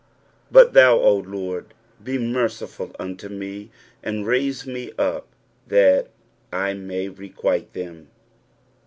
10 But thou, O Lord, be merciful unto me, and raise me up, that I may requite them.